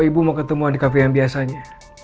ibu mau ketemuan di cafe yang biasanya